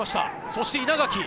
そして稲垣。